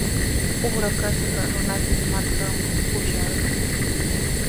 Uqrakashqa runata markanman pusharqan.